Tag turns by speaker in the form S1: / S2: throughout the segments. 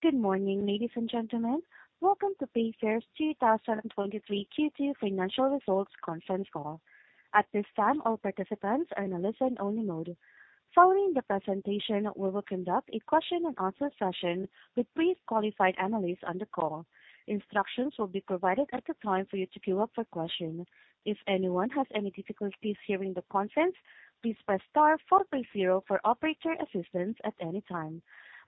S1: Good morning, ladies and gentlemen. Welcome to Payfare's 2023 Q2 financial results conference call. At this time, all participants are in a listen only mode. Following the presentation, we will conduct a question and answer session with pre-qualified analysts on the call. Instructions will be provided at the time for you to queue up for questions. If anyone has any difficulties hearing the conference, please press star 430 for operator assistance at any time.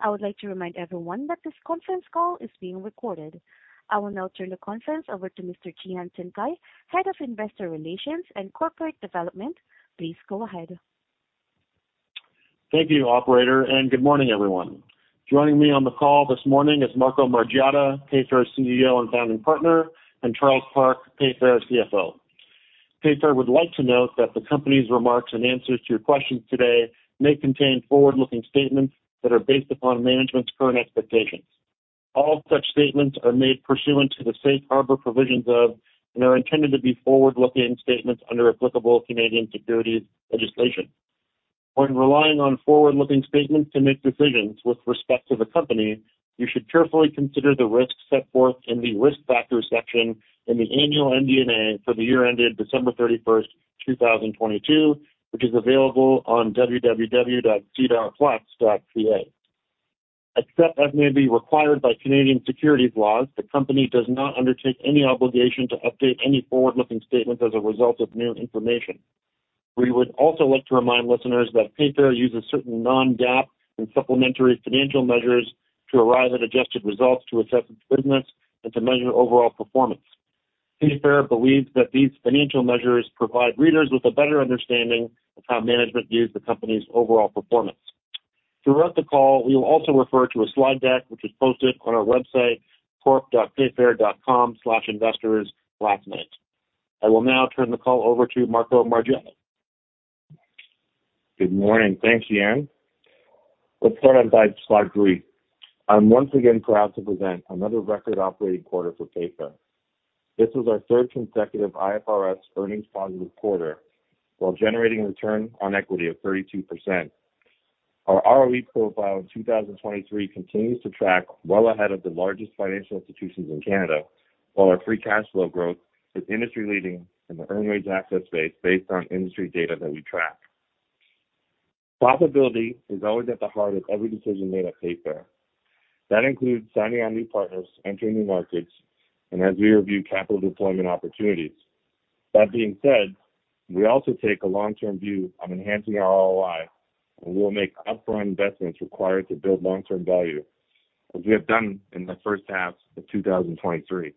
S1: I would like to remind everyone that this conference call is being recorded. I will now turn the conference over to Mr. Cihan Tuncay, Head of Investor Relations and Corporate Development. Please go ahead.
S2: Thank you, operator. Good morning, everyone. Joining me on the call this morning is Marco Margiotta, Payfare's CEO and Founding Partner, and Charles Park, Payfare's CFO. Payfare would like to note that the company's remarks and answers to your questions today may contain forward-looking statements that are based upon management's current expectations. All such statements are made pursuant to the safe harbor provisions of and are intended to be forward-looking statements under applicable Canadian securities legislation. When relying on forward-looking statements to make decisions with respect to the company, you should carefully consider the risks set forth in the Risk Factors section in the annual MD&A for the year ended December 31st, 2022, which is available on www.sedarplus.ca. Except as may be required by Canadian securities laws, the company does not undertake any obligation to update any forward-looking statements as a result of new information. We would also like to remind listeners that Payfare uses certain non-GAAP and supplementary financial measures to arrive at adjusted results to assess its business and to measure overall performance. Payfare believes that these financial measures provide readers with a better understanding of how management views the company's overall performance. Throughout the call, we will also refer to a slide deck, which is posted on our website, corp.payfare.com/investors last night. I will now turn the call over to Marco Margiotta.
S3: Good morning. Thanks, Cihan. Let's start on slide three. I'm once again proud to present another record operating quarter for Payfare. This was our third consecutive IFRS earnings positive quarter, while generating a return on equity of 32%. Our ROE profile in 2023 continues to track well ahead of the largest financial institutions in Canada, while our free cash flow growth is industry-leading in the earned wage access space based on industry data that we track. Profitability is always at the heart of every decision made at Payfare. That includes signing on new partners, entering new markets, and as we review capital deployment opportunities. That being said, we also take a long-term view on enhancing our ROI, and we'll make upfront investments required to build long-term value, as we have done in the first half of 2023.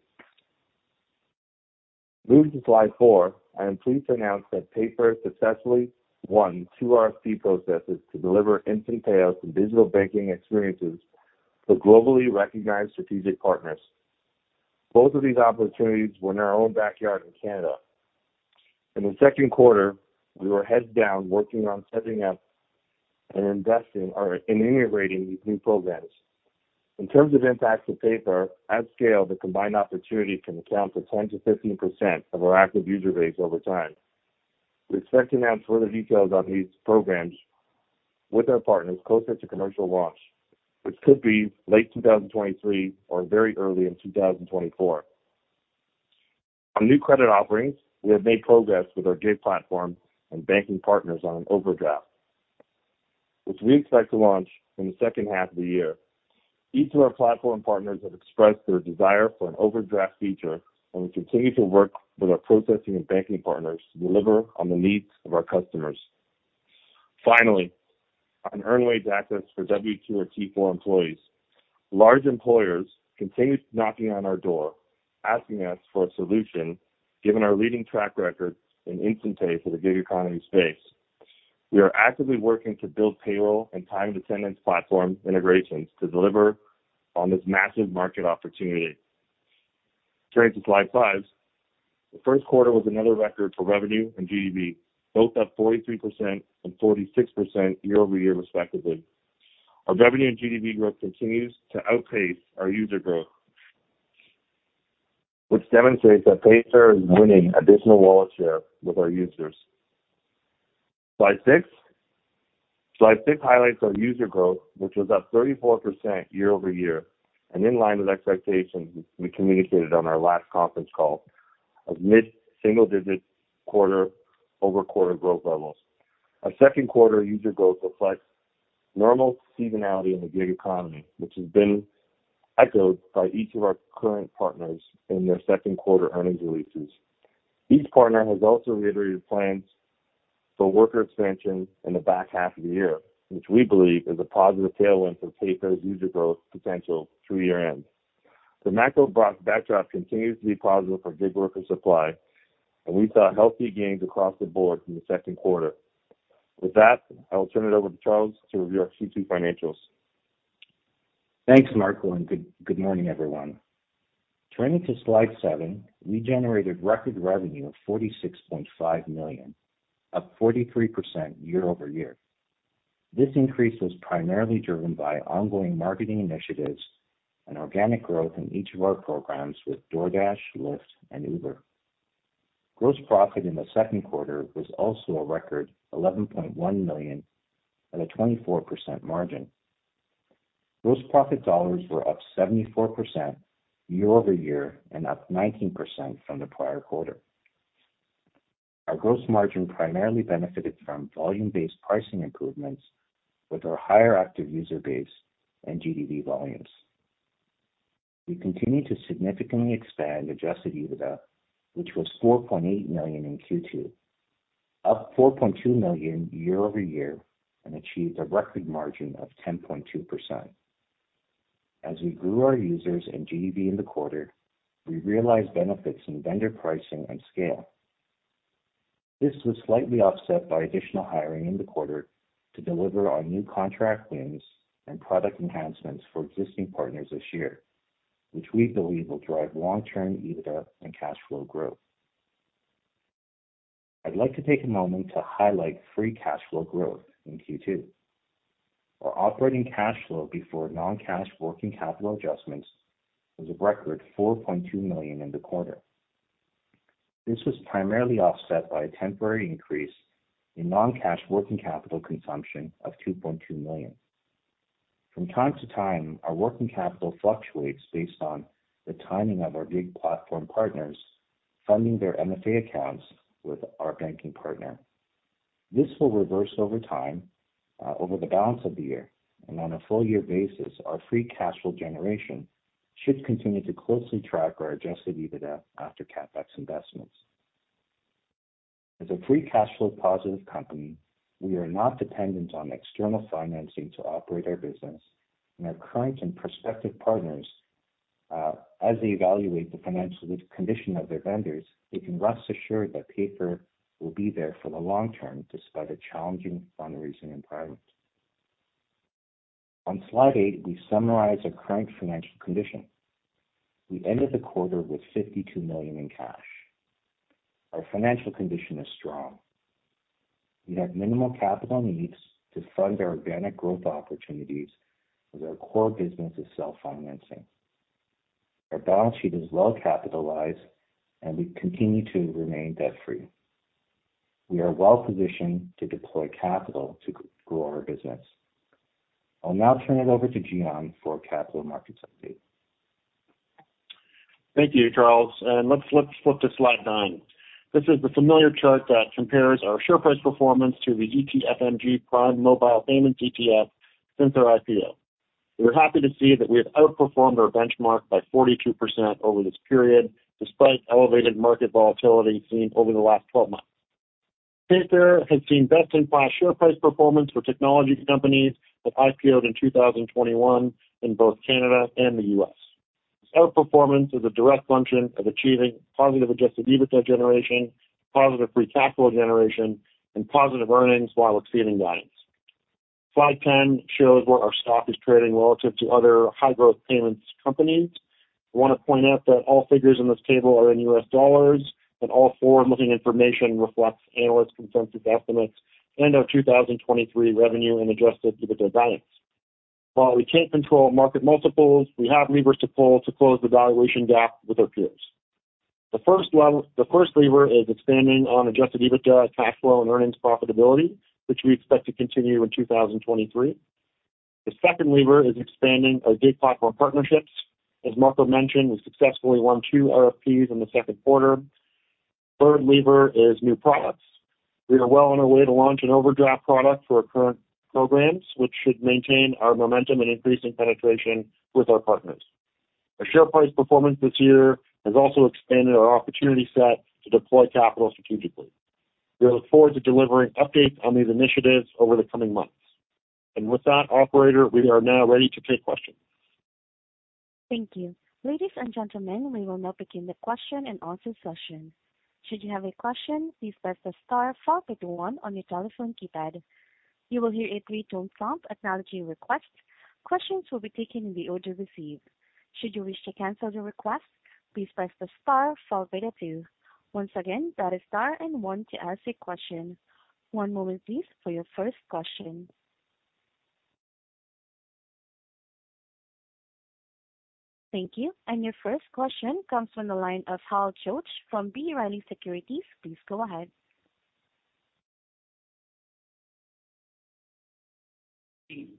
S3: Moving to slide four, I am pleased to announce that Payfare successfully won two RFP processes to deliver instant payouts and digital banking experiences to globally recognized strategic partners. Both of these opportunities were in our own backyard in Canada. In the second quarter, we were heads down, working on setting up and investing or in integrating these new programs. In terms of impacts to Payfare, at scale, the combined opportunity can account for 10%-15% of our active user base over time. We expect to announce further details on these programs with our partners closer to commercial launch, which could be late 2023 or very early in 2024. On new credit offerings, we have made progress with our gig platform and banking partners on an overdraft, which we expect to launch in the second half of the year. Each of our platform partners have expressed their desire for an overdraft feature. We continue to work with our processing and banking partners to deliver on the needs of our customers. Finally, on earned wage access for W-2 or T4 employees, large employers continue knocking on our door, asking us for a solution, given our leading track record in instant pay for the gig economy space. We are actively working to build payroll and time and attendance platform integrations to deliver on this massive market opportunity. Turning to slide five. The first quarter was another record for revenue and GDV, both up 43% and 46% year-over-year, respectively. Our revenue and GDV growth continues to outpace our user growth, which demonstrates that Payfare is winning additional wallet share with our users. Slide six. Slide six highlights our user growth, which was up 34% year-over-year and in line with expectations we communicated on our last conference call of mid-single-digit quarter-over-quarter growth levels. Our second quarter user growth reflects normal seasonality in the gig economy, which has been echoed by each of our current partners in their second quarter earnings releases. Each partner has also reiterated plans for worker expansion in the back half of the year, which we believe is a positive tailwind for Payfare's user growth potential through year-end. The macro backdrop continues to be positive for gig worker supply, and we saw healthy gains across the board in the second quarter. With that, I will turn it over to Charles to review our Q2 financials.
S4: Thanks, Marco. Good, good morning, everyone. Turning to slide seven, we generated record revenue of $46.5 million, up 43% year-over-year. This increase was primarily driven by ongoing marketing initiatives and organic growth in each of our programs with DoorDash, Lyft, and Uber. Gross profit in the second quarter was also a record $11.1 million at a 24% margin. Gross profit dollars were up 74% year-over-year and up 19% from the prior quarter. Our gross margin primarily benefited from volume-based pricing improvements with our higher active user base and GDV volumes. We continued to significantly expand adjusted EBITDA, which was $4.8 million in Q2, up $4.2 million year-over-year, and achieved a record margin of 10.2%. As we grew our users and GDV in the quarter, we realized benefits in vendor pricing and scale. This was slightly offset by additional hiring in the quarter to deliver on new contract wins and product enhancements for existing partners this year, which we believe will drive long-term EBITDA and cash flow growth. I'd like to take a moment to highlight free cash flow growth in Q2. Our operating cash flow before non-cash working capital adjustments was a record $4.2 million in the quarter. This was primarily offset by a temporary increase in non-cash working capital consumption of $2.2 million. From time to time, our working capital fluctuates based on the timing of our big platform partners funding their MFA accounts with our banking partner. This will reverse over time, over the balance of the year, and on a full year basis, our free cash flow generation should continue to closely track our adjusted EBITDA after CapEx investments. As a free cash flow positive company, we are not dependent on external financing to operate our business and our current and prospective partners, as they evaluate the financial condition of their vendors, they can rest assured that Payfare will be there for the long term despite a challenging fundraising environment. On slide eight, we summarize our current financial condition. We ended the quarter with $52 million in cash. Our financial condition is strong. We have minimal capital needs to fund our organic growth opportunities as our core business is self-financing. Our balance sheet is well capitalized, and we continue to remain debt-free. We are well positioned to deploy capital to grow our business. I'll now turn it over to Cihan for a capital markets update.
S2: Thank you, Charles. Let's, let's flip to slide nine. This is the familiar chart that compares our share price performance to the ETFMG Prime Mobile Payments ETF since our IPO. We're happy to see that we have outperformed our benchmark by 42% over this period, despite elevated market volatility seen over the last 12 months. Payfare has seen best-in-class share price performance for technology companies that IPO'd in 2021 in both Canada and the U.S.. This outperformance is a direct function of achieving positive adjusted EBITDA generation, positive free cash flow generation, and positive earnings while exceeding guidance. Slide 10 shows where our stock is trading relative to other high-growth payments companies. I want to point out that all figures in this table are in US dollars. All forward-looking information reflects analyst consensus estimates and our 2023 revenue and adjusted EBITDA guidance. While we can't control market multiples, we have levers to pull to close the valuation gap with our peers. The first lever is expanding on adjusted EBITDA, cash flow and earnings profitability, which we expect to continue in 2023. The second lever is expanding our big platform partnerships. As Marco mentioned, we successfully won 2 RFPs in the second quarter. Third lever is new products. We are well on our way to launch an overdraft product for our current programs, which should maintain our momentum and increasing penetration with our partners. Our share price performance this year has also expanded our opportunity set to deploy capital strategically. We look forward to delivering updates on these initiatives over the coming months. With that, operator, we are now ready to take questions.
S1: Thank you. Ladies and gentlemen, we will now begin the question and answer session. Should you have a question, please press the star followed by the one on your telephone keypad. You will hear a three tone prompt acknowledging your request. Questions will be taken in the order received. Should you wish to cancel your request, please press the star followed by the two. Once again, that is star and one to ask a question. One moment, please, for your first question. Thank you. Your first question comes from the line of Hal Goetsch from B. Riley Securities. Please go ahead.
S5: Let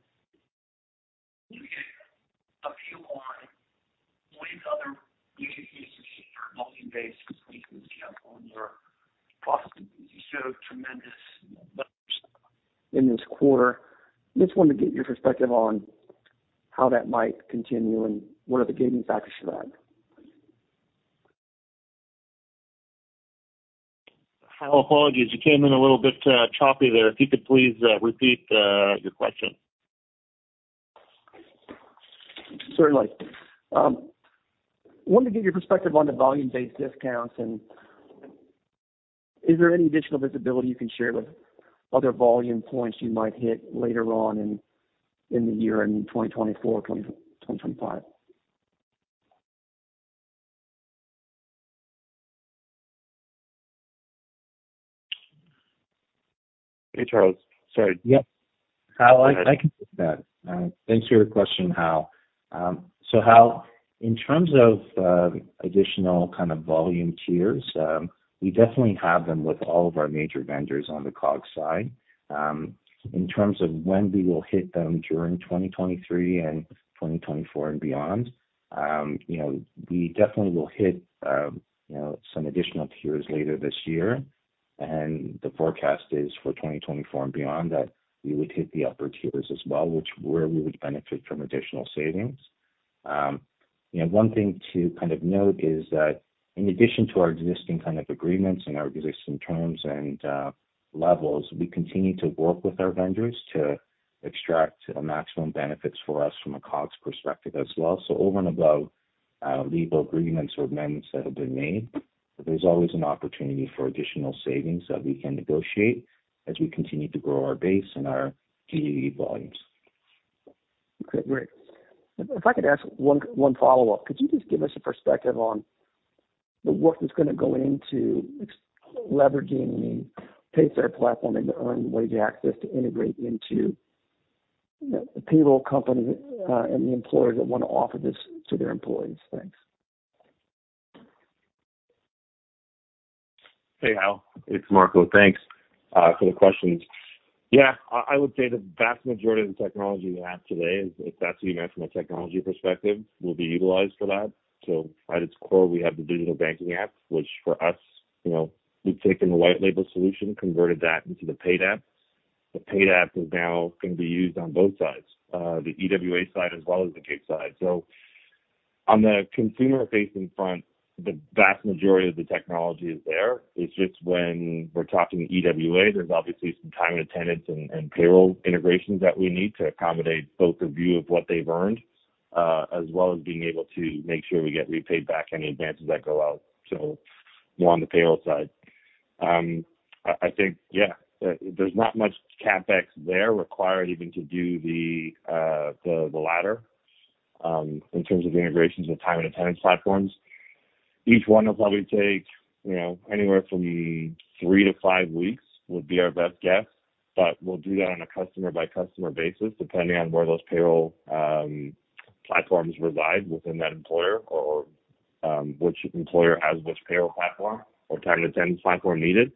S5: me get a few on what other you can use to see your volume-based discounts on your profit? You showed tremendous in this quarter. Just wanted to get your perspective on how that might continue and what are the gating factors to that?
S2: Hal, apologies. You came in a little bit, choppy there. If you could please, repeat, your question.
S5: Certainly. wanted to get your perspective on the volume-based discounts, and is there any additional visibility you can share with other volume points you might hit later on in, in the year, in 2024, 2025?
S2: Hey, Charles. Sorry.
S4: Yep, Hal, I, I can take that. Thanks for your question, Hal. So Hal, in terms of additional kind of volume tiers, we definitely have them with all of our major vendors on the COGS side. In terms of when we will hit them during 2023 and 2024 and beyond, you know, we definitely will hit, you know, some additional tiers later this year. The forecast is for 2024 and beyond that we would hit the upper tiers as well, which where we would benefit from additional savings. You know, one thing to kind of note is that in addition to our existing kind of agreements and our existing terms and levels, we continue to work with our vendors to extract the maximum benefits for us from a COGS perspective as well. Over and above, legal agreements or amendments that have been made, there's always an opportunity for additional savings that we can negotiate as we continue to grow our base and our GDV volumes.
S5: Okay, great. If I could ask one, one follow-up, could you just give us a perspective on the work that's going to go into ex- leveraging the Payfare platform and the earned wage access to integrate into, the payroll company, and the employers that want to offer this to their employees? Thanks.
S3: Hey, Hal, it's Marco. Thanks for the questions. Yeah, I would say the vast majority of the technology we have today, if that's what you meant from a technology perspective, will be utilized for that. At its core, we have the digital banking app, which for us, you know, we've taken the white label solution, converted that into the Paid App. The Paid App is now going to be used on both sides, the EWA side as well as the gig side. On the consumer-facing front, the vast majority of the technology is there. It's just when we're talking EWA, there's obviously some time and attendance and, and payroll integrations that we need to accommodate both the view of what they've earned, as well as being able to make sure we get repaid back any advances that go out, so more on the payroll side. I think, yeah, there's not much CapEx there required even to do the latter, in terms of integrations with time and attendance platforms. Each one will probably take, you know, anywhere from three to five weeks, would be our best guess, but we'll do that on a customer by customer basis, depending on where those payroll, platforms reside within that employer or which employer has which payroll platform or time and attendance platform needed.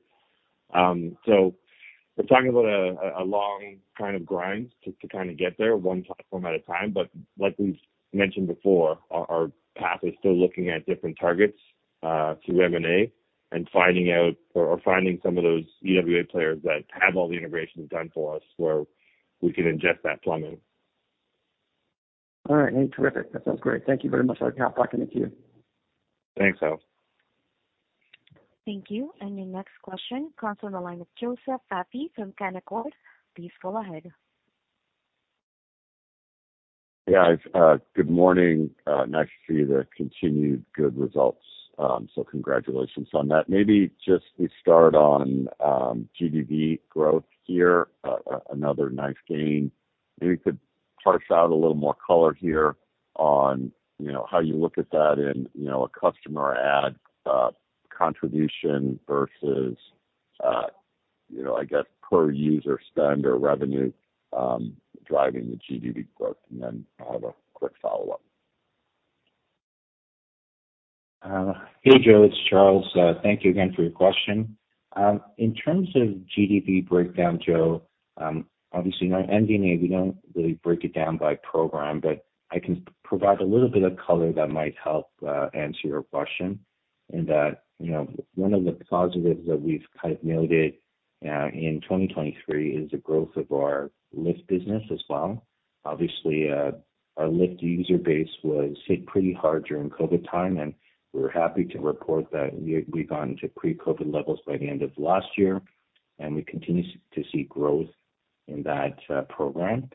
S3: We're talking about a long kind of grind to kind of get there one platform at a time. Like we've mentioned before, our path is still looking at different targets through M&A and finding out or finding some of those EWA players that have all the integrations done for us, where we can ingest that plumbing.
S5: All right, terrific. That sounds great. Thank you very much. I look forward to talking to you.
S3: Thanks, Hal.
S1: Thank you. Your next question comes from the line of Joseph Vafi from Canaccord. Please go ahead.
S6: Yeah, good morning. Nice to see the continued good results, so congratulations on that. Maybe just we start on GDV growth here, another nice gain. Maybe you could parse out a little more color here on, you know, how you look at that in, you know, a customer add contribution versus, you know, I guess per user spend or revenue, driving the GDV growth. Then I'll have a quick follow-up.
S4: Hey, Joe, it's Charles. Thank you again for your question. In terms of GDV breakdown, Joe, obviously, you know, at NDNA, we don't really break it down by program, but I can provide a little bit of color that might help answer your question. In that, you know, one of the positives that we've kind of noted in 2023 is the growth of our Lyft business as well. Obviously, our Lyft user base was hit pretty hard during COVID time, and we're happy to report that we, we've gone to pre-COVID levels by the end of last year, and we continue to see growth in that program.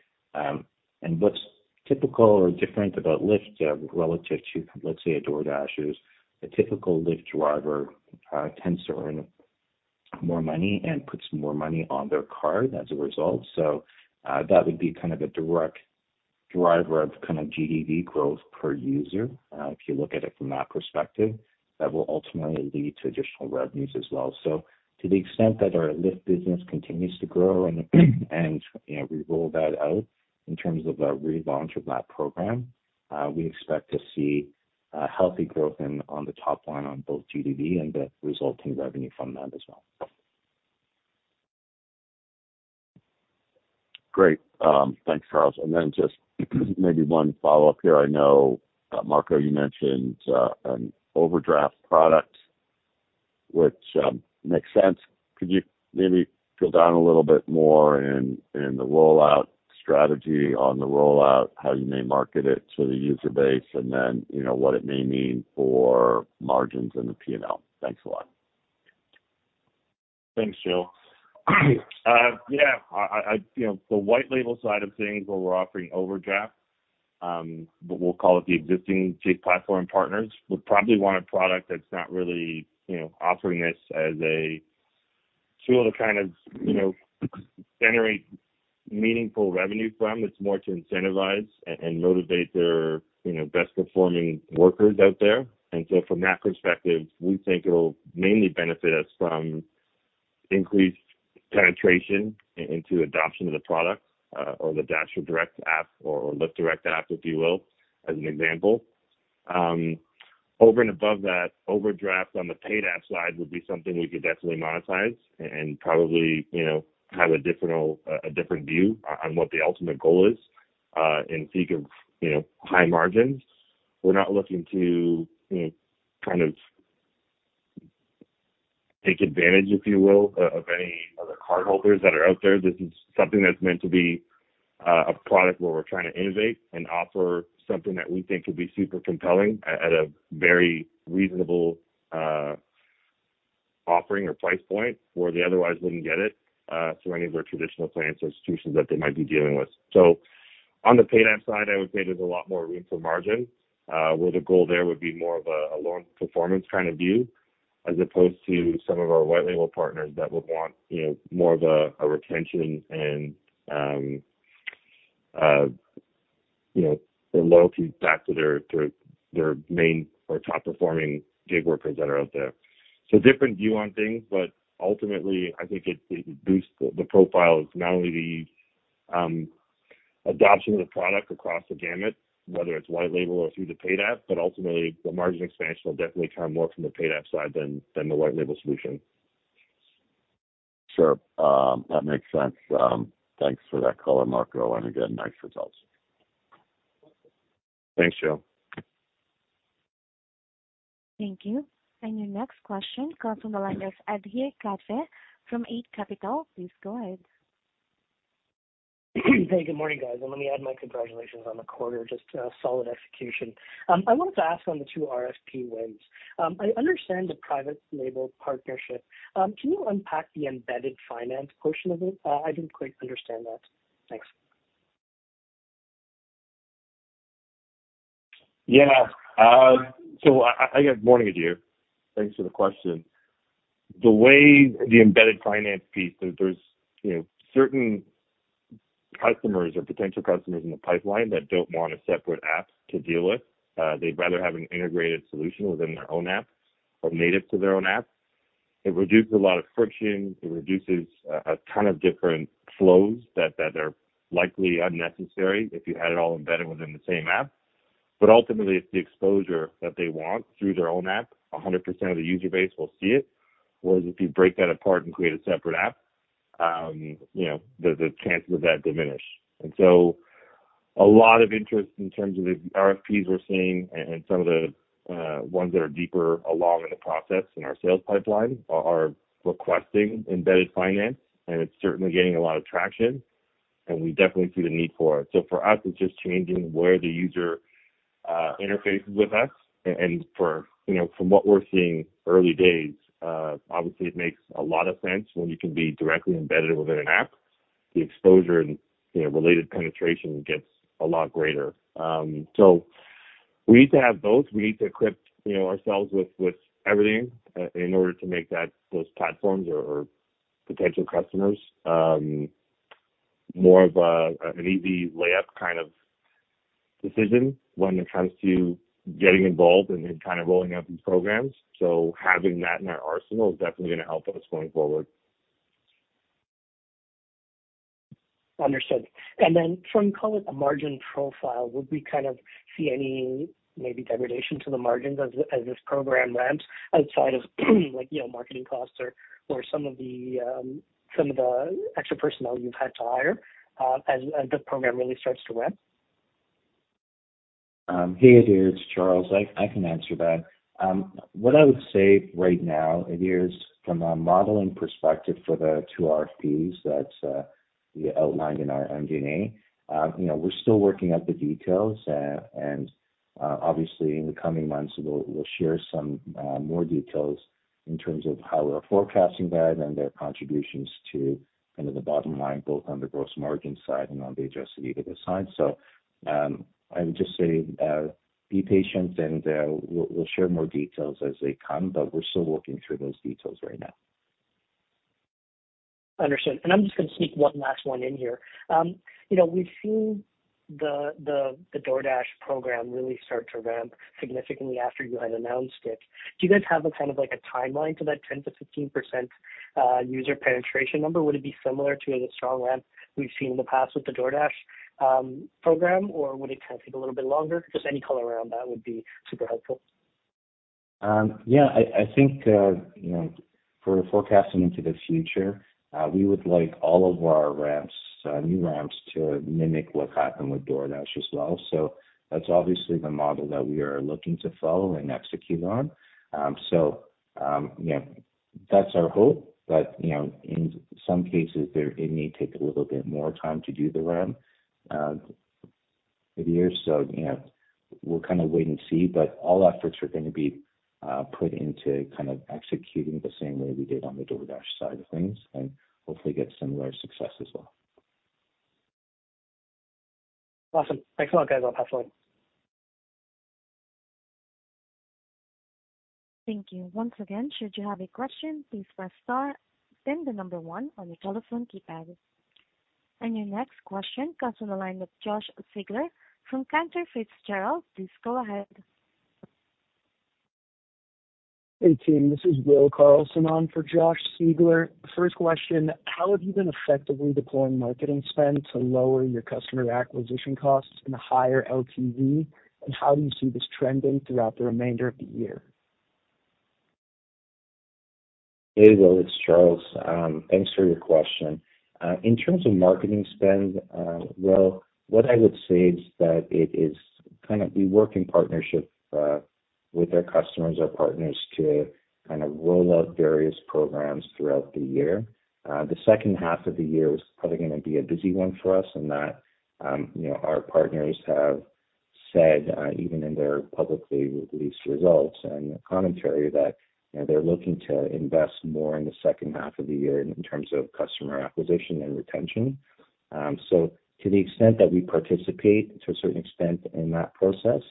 S4: What's typical or different about Lyft relative to, let's say, a DoorDash, is the typical Lyft driver tends to earn more money and puts more money on their card as a result. That would be kind of a direct driver of kind of GDV growth per user. If you look at it from that perspective, that will ultimately lead to additional revenues as well. To the extent that our Lyft business continues to grow, and, you know, we roll that out in terms of a relaunch of that program, we expect to see a healthy growth in, on the top line on both GDV and the resulting revenue from that as well.
S6: Great. Thanks, Charles. Then just maybe one follow-up here. I know, Marco, you mentioned an overdraft product, which makes sense. Could you maybe drill down a little bit more in, in the rollout strategy, on the rollout, how you may market it to the user base, and then, you know, what it may mean for margins and the P&L? Thanks a lot.
S3: Thanks, Joe. Yeah, I, you know, the white label side of things where we're offering overdraft, we'll call it the existing gig platform partners, would probably want a product that's not really, you know, offering this as a tool to kind of, you know, meaningful revenue from. It's more to incentivize and, and motivate their, you know, best-performing workers out there. So from that perspective, we think it'll mainly benefit us from increased penetration into adoption of the product, or the DasherDirect app or Lyft Direct app, if you will, as an example. Over and above that, overdraft on the Paid App side would be something we could definitely monetize and probably, you know, have a different, a different view on what the ultimate goal is, in seek of, you know, high margins. We're not looking to, you know, kind of take advantage, if you will, of any other cardholders that are out there. This is something that's meant to be a product where we're trying to innovate and offer something that we think will be super compelling at a very reasonable offering or price point, where they otherwise wouldn't get it through any of our traditional clients or institutions that they might be dealing with. So on the Paid App side, I would say there's a lot more room for margin, where the goal there would be more of a, a loan performance kind of view, as opposed to some of our white label partners that would want, you know, more of a retention and, you know, the loyalty back to their main or top-performing gig workers that are out there. Different view on things, but ultimately, I think it boosts the profile of not only the adoption of the product across the gamut, whether it's white label or through the Paid App, but ultimately the margin expansion will definitely come more from the Paid App side than the white label solution.
S6: Sure. That makes sense. Thanks for that color, Marco, and again, nice results.
S3: Thanks, Joe.
S1: Thank you. Your next question comes from the line of Adir Kapadia from Eight Capital. Please go ahead.
S7: Hey, good morning, guys, and let me add my congratulations on the quarter, just solid execution. I wanted to ask on the two RFP wins. I understand the private label partnership. Can you unpack the embedded finance portion of it? I didn't quite understand that. Thanks.
S3: Yeah, I, good morning, Adir. Thanks for the question. The way the embedded finance piece, there's, you know, certain customers or potential customers in the pipeline that don't want a separate app to deal with. They'd rather have an integrated solution within their own app or native to their own app. It reduces a lot of friction. It reduces a ton of different flows that, that are likely unnecessary if you had it all embedded within the same app. Ultimately, it's the exposure that they want through their own app. 100% of the user base will see it, whereas if you break that apart and create a separate app, you know, the chances of that diminish. A lot of interest in terms of the RFPs we're seeing and some of the ones that are deeper along in the process in our sales pipeline are, are requesting embedded finance, and it's certainly gaining a lot of traction, and we definitely see the need for it. For us, it's just changing where the user interfaces with us. You know, from what we're seeing, early days, obviously it makes a lot of sense when you can be directly embedded within an app. The exposure and, you know, related penetration gets a lot greater. We need to have both. We need to equip, you know, ourselves with everything in order to make that, those platforms or potential customers, more of a, an easy layup kind of decision when it comes to getting involved and then kind of rolling out these programs. Having that in our arsenal is definitely gonna help us going forward.
S7: Understood. Then from, call it, a margin profile, would we kind of see any maybe degradation to the margins as this program ramps outside of, like, you know, marketing costs or some of the extra personnel you've had to hire, as the program really starts to ramp?
S4: Hey, Adir, it's Charles. I can answer that. What I would say right now, Adir, is from a modeling perspective for the two RFPs that we outlined in our MD&A, you know, we're still working out the details. Obviously, in the coming months, we'll share some more details in terms of how we're forecasting that and their contributions to kind of the bottom line, both on the gross margin side and on the adjusted EBITDA side. I would just say, be patient, and we'll share more details as they come, but we're still working through those details right now.
S7: Understood. I'm just gonna sneak one last one in here. You know, we've seen the DoorDash program really start to ramp significantly after you had announced it. Do you guys have a kind of like a timeline to that 10%-15% user penetration number? Would it be similar to the strong ramp we've seen in the past with the DoorDash program, or would it kind of take a little bit longer? Just any color around that would be super helpful.
S4: Yeah, I think, you know, for forecasting into the future, we would like all of our ramps, new ramps to mimic what happened with DoorDash as well. That's obviously the model that we are looking to follow and execute on. Yeah, that's our hope. You know, in some cases there, it may take a little bit more time to do the ramp, Adir. You know, we'll kind of wait and see, but all efforts are gonna be, put into kind of executing the same way we did on the DoorDash side of things, and hopefully get similar success as well.
S7: Awesome. Thanks a lot, guys. I'll pass the line.
S1: Thank you. Once again, should you have a question, please press star then the number one on your telephone keypad. Your next question comes on the line with Josh Siegler from Cantor Fitzgerald. Please go ahead.
S8: Hey, team, this is Will Carlson on for Josh Siegler. First question, how have you been effectively deploying marketing spend to lower your customer acquisition costs and higher LTV? How do you see this trending throughout the remainder of the year?
S4: Hey, Will, it's Charles. Thanks for your question. In terms of marketing spend, well, what I would say is that it is kind of we work in partnership with our customers or partners to kind of roll out various programs throughout the year. The second half of the year is probably gonna be a busy one for us in that, you know, our partners have said, even in their publicly released results and commentary, that, you know, they're looking to invest more in the second half of the year in terms of customer acquisition and retention. To the extent that we participate to a certain extent in that process,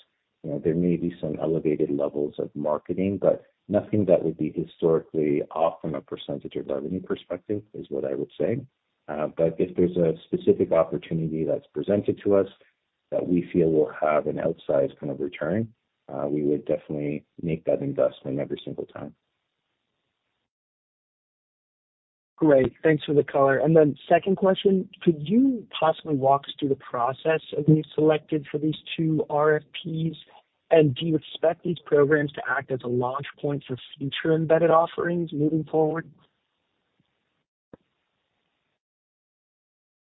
S4: you know, there may be some elevated levels of marketing, but nothing that would be historically off from a % of revenue perspective, is what I would say. If there's a specific opportunity that's presented to us that we feel will have an outsized kind of return, we would definitely make that investment every single time.
S8: Great. Thanks for the color. Then second question, could you possibly walk us through the process of being selected for these two RFPs? Do you expect these programs to act as a launch point for future embedded offerings moving forward?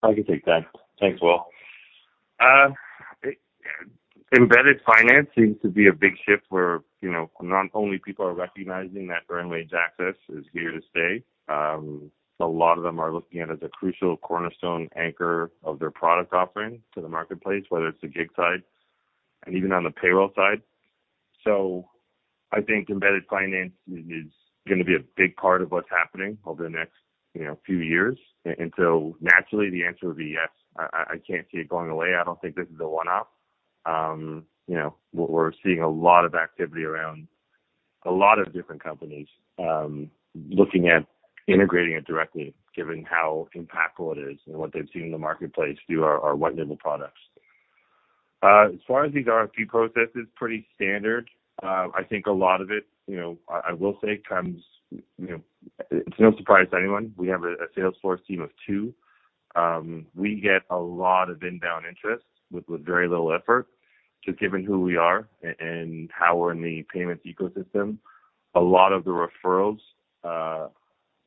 S3: I can take that. Thanks, Will. embedded finance seems to be a big shift where, you know, not only people are recognizing that earned wage access is here to stay, a lot of them are looking at it as a crucial cornerstone anchor of their product offering to the marketplace, whether it's the gig side and even on the payroll side. I think embedded finance is, is gonna be a big part of what's happening over the next, you know, few years. Naturally, the answer would be yes. I can't see it going away. I don't think this is a one-off, you know, we're seeing a lot of activity around a lot of different companies, looking at integrating it directly, given how impactful it is and what they've seen in the marketplace through our wonderful products. As far as these RFP processes, pretty standard. I think a lot of it, you know, I will say comes, you know, It's no surprise to anyone, we have a Salesforce team of two. We get a lot of inbound interest with very little effort, just given who we are and how we're in the payments ecosystem. A lot of the referrals,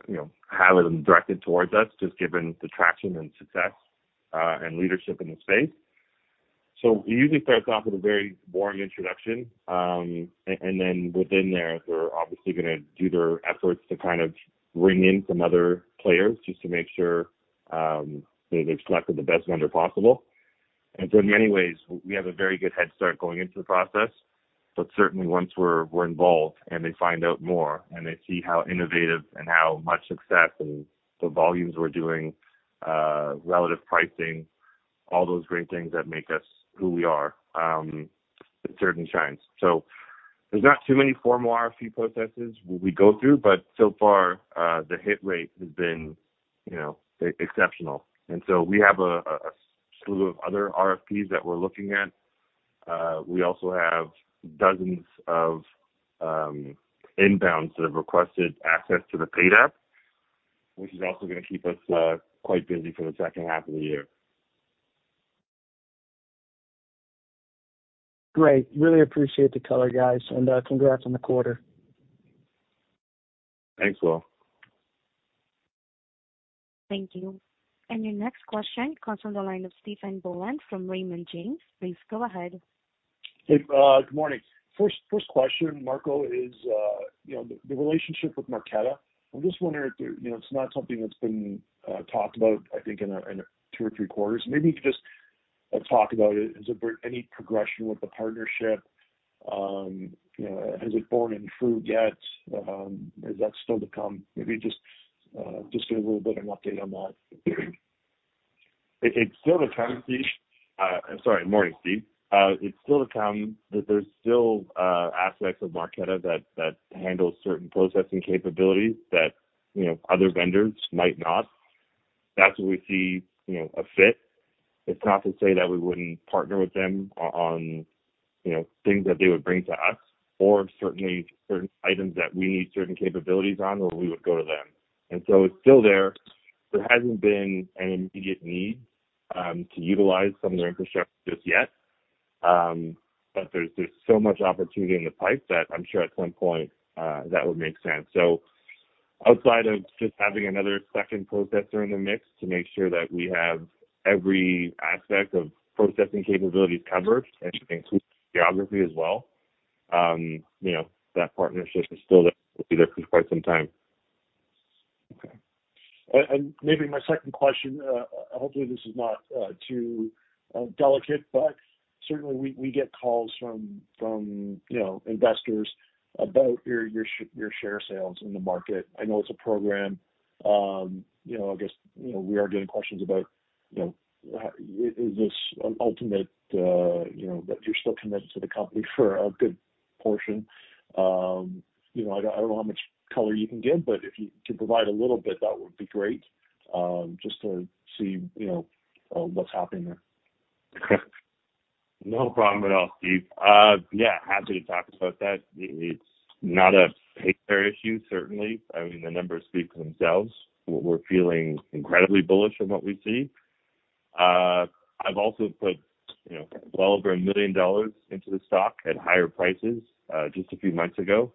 S3: you know, have them directed towards us, just given the traction and success, and leadership in the space. It usually starts off with a very boring introduction. Then within there, they're obviously gonna do their efforts to kind of bring in some other players just to make sure, they've selected the best vendor possible. In many ways, we have a very good head start going into the process. Certainly once we're involved and they find out more, and they see how innovative and how much success and the volumes we're doing, relative pricing, all those great things that make us who we are, it certainly shines. There's not too many formal RFP processes we go through, but so far, the hit rate has been, you know, exceptional. We have a slew of other RFPs that we're looking at. We also have dozens of inbounds that have requested access to the Paid App, which is also gonna keep us quite busy for the second half of the year.
S8: Great. Really appreciate the color, guys, and congrats on the quarter.
S3: Thanks, Will.
S1: Thank you. Your next question comes from the line of Stephen Boland from Raymond James. Please go ahead.
S9: Hey, good morning. First question, Marco, is, you know, the relationship with Marqeta. I'm just wondering if, you know, it's not something that's been, talked about, I think, in a two or three quarters. Maybe you could just, talk about it. Is there any progression with the partnership? You know, has it borne any fruit yet? Is that still to come? Maybe just give a little bit of an update on that.
S3: It's still to come, Steve. Sorry, morning, Steve. It's still to come, but there's still aspects of Marqeta that, that handles certain processing capabilities that, you know, other vendors might not. That's where we see, you know, a fit. It's not to say that we wouldn't partner with them on, you know, things that they would bring to us, or certainly certain items that we need certain capabilities on, or we would go to them. So it's still there. There hasn't been an immediate need to utilize some of their infrastructure just yet. But there's so much opportunity in the pipe that I'm sure at some point that would make sense. Outside of just having another second processor in the mix to make sure that we have every aspect of processing capabilities covered and geography as well, you know, that partnership is still there. It'll be there for quite some time.
S9: Okay. And maybe my second question, hopefully this is not too delicate, but certainly we, we get calls from, from, you know, investors about your, your share sales in the market. I know it's a program. You know, I guess, you know, we are getting questions about, you know, is this an ultimate, you know, that you're still committed to the company for a good portion? You know, I don't know how much color you can give, but if you could provide a little bit, that would be great, just to see, you know, what's happening there.
S3: No problem at all, Steve. Yeah, happy to talk about that. It's not a Payfare issue, certainly. I mean, the numbers speak for themselves. We're feeling incredibly bullish on what we see. I've also put, you know, well over $1 million into the stock at higher prices, just a few months ago.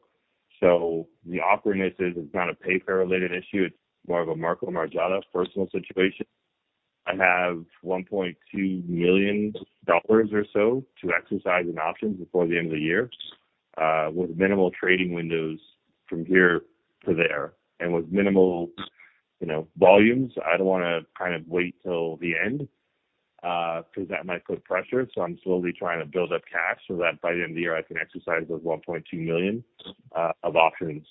S3: The awkwardness is, it's not a Payfare related issue. It's more of a Marco Margiotta personal situation. I have $1.2 million or so to exercise in options before the end of the year, with minimal trading windows from here to there. With minimal, you know, volumes, I don't want to kind of wait till the end, because that might put pressure. I'm slowly trying to build up cash so that by the end of the year, I can exercise those 1.2 million of options.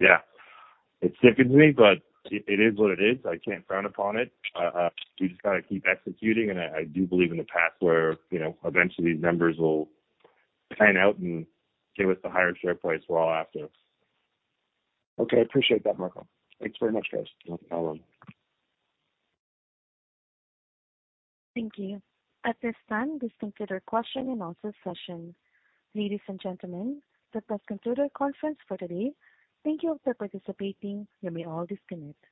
S3: Yeah, it's sticking to me, but it is what it is. I can't frown upon it. We just got to keep executing, and I do believe in the past where, you know, eventually these numbers will pan out and get us the higher share price we're all after.
S9: Okay. I appreciate that, Marco. Thanks very much, guys.
S3: No problem.
S1: Thank you. At this time, please consider question and answer session. Ladies and gentlemen, let us consider conference for today. Thank you for participating. You may all disconnect.